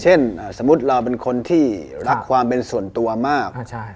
เช่นสมมุติเราเป็นคนที่รักความเป็นส่วนตัวมากอ่าใช่